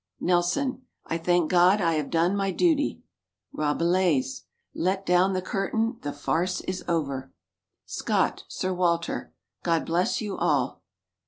Nelson. "I thank God I have done my duty." Rabelais. "Let down the curtain, the farce is over." Scott, Sir Walter. "God bless you all!"